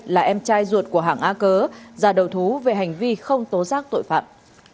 là em trai ruột của hàng a cớ ra đầu thú về hành vi không tổn thương